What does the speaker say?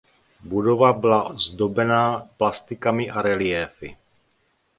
Budova byla zdobená plastikami a reliéfy.